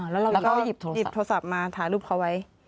แล้วเราก็หยิบโทรศัพท์มาถ่ายรูปเขาไว้